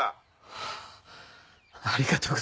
はあありがとうございます。